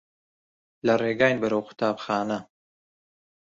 لە ڕێگاین بەرەو قوتابخانە.